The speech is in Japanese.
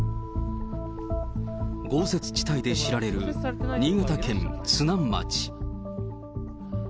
豪雪地帯で知られる新潟県津南町。